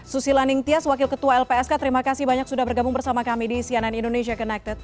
susi laning tias wakil ketua lpsk terima kasih banyak sudah bergabung bersama kami di cnn indonesia connected